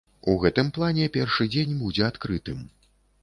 У гэтым плане першы дзень будзе адкрытым.